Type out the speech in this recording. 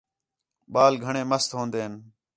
ٻال گھݨیں مَست ہون٘دین